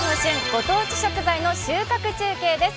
ご当地食材収穫中継です。